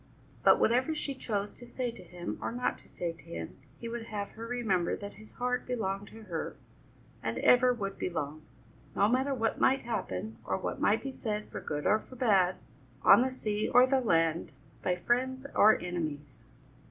But whatever she chose to say to him or not to say to him, he would have her remember that his heart belonged to her, and ever would belong, no matter what might happen or what might be said for good or for bad, on the sea or the land, by friends or enemies.